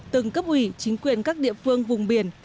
từng cấp ủy chính quyền các địa phương vùng biển